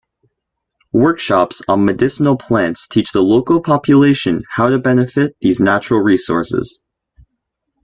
Workshops on medicinal plants teach the local population how to benefit these natural resources.